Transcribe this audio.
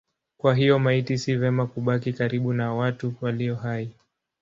Kwa hiyo maiti si vema kubaki karibu na watu walio hai.